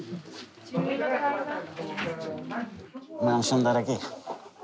マンションだらけ。